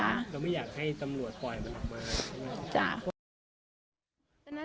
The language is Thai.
แต่ไม่อยากให้สำรวจปล่อยมา